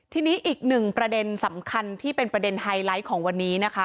ทีนี้อีกหนึ่งประเด็นสำคัญที่เป็นประเด็นไฮไลท์ของวันนี้นะคะ